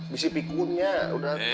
bisi pikunnya udah terlalu